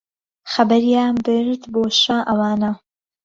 خهبەریان برد بۆ شا ئهوانه